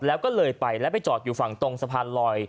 แล้วก็เลยไปแล้วไปจอดอยู่ฝั่งตรงสะพานลอย